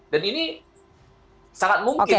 dan ini sangat mungkin